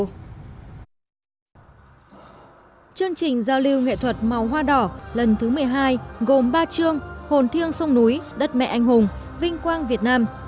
chương trình giao lưu nghệ thuật màu hoa đỏ lần thứ một mươi hai gồm ba chương hồn thiêng sông núi đất mẹ anh hùng vinh quang việt nam